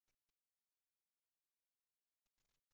Ad ṣaffiɣ lkuzinet bessi bessi.